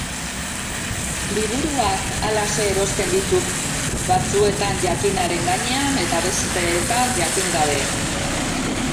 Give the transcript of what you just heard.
Liburuak halaxe erosten dituk, batzuetan jakinaren gainean, eta bertzeetan jakin gabe...